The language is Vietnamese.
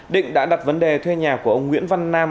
định đã đặt vấn đề thuê nhà của ông nguyễn văn nam